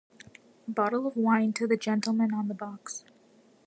Bottle of wine to the gentleman on the box.